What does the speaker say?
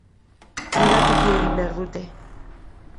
Pribatuki egin behar dute.